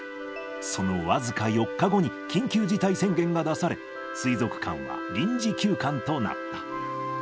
その僅か４日後に、緊急事態宣言が出され、水族館は臨時休館となった。